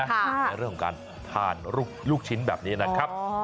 ในเรื่องของการทานลูกชิ้นแบบนี้นะครับ